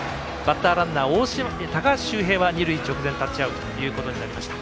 ランナー、高橋周平は二塁直前タッチアウトということになりました。